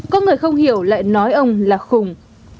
có người không hiểu lại nói ông là khùng